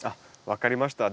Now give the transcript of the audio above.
分かりました。